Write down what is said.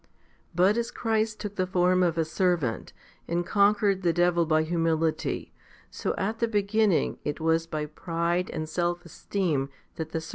But as Christ took the form of a servant? and conquered the devil by humility, so at the beginning it was by pride and self esteem that the serpent 1 i Tim.